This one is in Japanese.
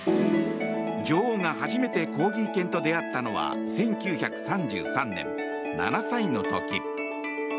女王が初めてコーギー犬と出会ったのは１９３３年、７歳の時。